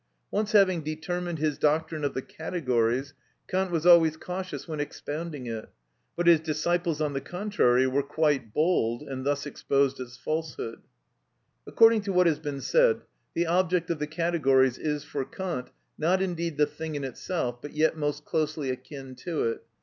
Once having determined his doctrine of the categories, Kant was always cautious when expounding it, but his disciples on the contrary were quite bold, and thus exposed its falseness. According to what has been said, the object of the categories is for Kant, not indeed the thing in itself, but yet most closely akin to it.